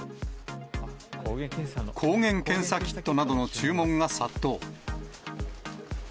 抗原検査キットなどの注文が殺到。